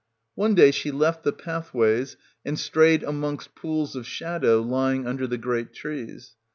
One day she left the pathways and strayed amongst pools of shadow lying under the great trees.